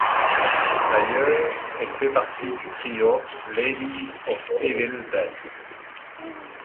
D'ailleurs elle fait partie du trio Ladies of Evil Dead.